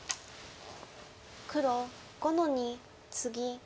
黒５の二ツギ。